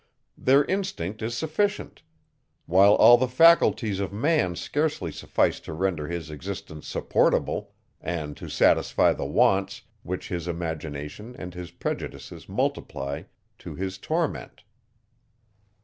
Their instinct is sufficient; while all the faculties of man scarcely suffice to render his existence supportable, and to satisfy the wants, which his imagination and his prejudices multiply to his torment.